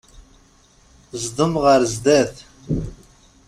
Zdem ɣer sdat.